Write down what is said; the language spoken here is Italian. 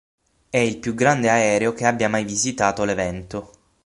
È il più grande aereo che abbia mai visitato l'evento.